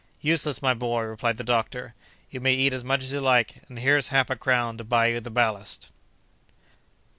"Useless, my boy!" replied the doctor. "You may eat as much as you like, and here's half a crown to buy you the ballast."